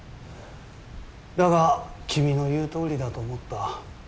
だが君の言うとおりだと思った。